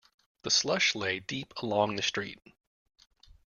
The slush lay deep along the street.